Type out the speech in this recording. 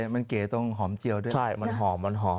มันเก๋ต้องหอมเจียวด้วยใช่มันหอมมันหอม